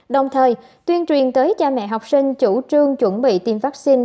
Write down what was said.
đồng thời tuyên truyền tới cha mẹ học sinh chủ trương chuẩn bị tiêm vaccine